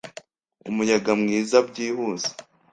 umuyaga mwiza, byihuse